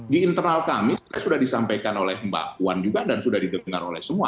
di internal kami sudah disampaikan oleh mbak puan juga dan sudah didengar oleh semua